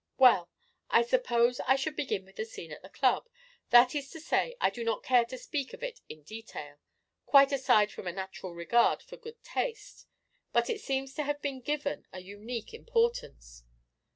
"Well, I suppose I should begin with the scene at the Club that is to say, I do not care to speak of it in detail, quite aside from a natural regard for good taste, but it seems to have been given a unique importance."